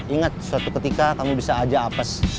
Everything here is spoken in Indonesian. ingat suatu ketika kamu bisa aja apes